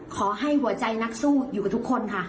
ขอให้หัวใจนักสู้อยู่กับทุกคนค่ะ